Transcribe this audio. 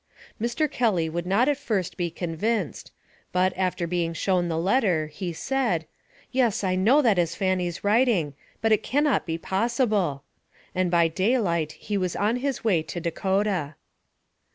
Mr. Kelly would not at first be convinced, but, after AMONG THE SIOUX INDIANS. 227 being shown the letter, he said, " Yes, I know that is Fanny's writing, but it can not be possible;" and by daylight he was on his way to Dakota.